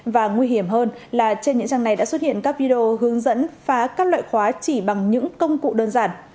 và nguy hiểm hơn là trên những trang này đã xuất hiện các video hướng dẫn phá các loại khóa chỉ bằng những công cụ đơn giản